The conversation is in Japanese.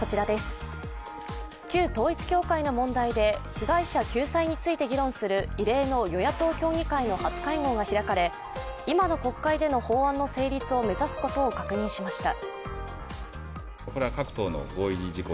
旧統一教会の問題で被害者救済について議論する異例の与野党協議会の初会合が開かれ今の国会での法案の成立を目指すことを確認しました。